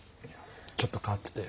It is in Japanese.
ちょっと変わってて。